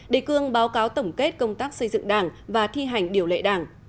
đề cương báo cáo tổng kết công tác xây dựng đảng và thi hành điều lệ đảng